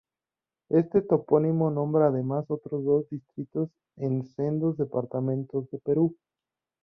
Este topónimo nombra además otros dos distritos en sendos departamentos de Perú.